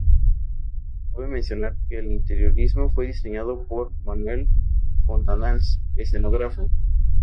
Cabe mencionar que el interiorismo fue diseñado por Manuel Fontanals, escenógrafo.